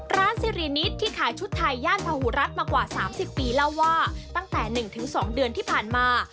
ร้านซีรีส์นิดที่ขายชุดไทยย่านภาหุรัฐมากว่าสามสิบปีแล้วว่าตั้งแต่หนึ่งถึงสองเดือนที่ผ่านมา